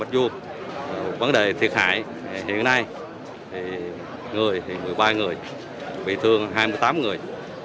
vấn đề thiệt hại hiện nay người thì một mươi ba người bị thương hai mươi tám người